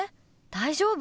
大丈夫？